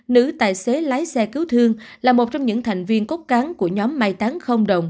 nữ tài xế lái xe cứu thương là một trong những thành viên cốt cán của nhóm mai táng không đồng